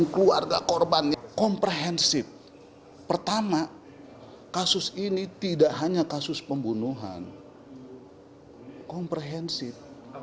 komprehensif pertama kasus ini tidak hanya kasus pembunuhan komprehensif